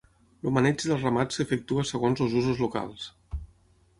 El maneig del ramat s'efectua segons els usos locals.